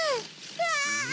うわ！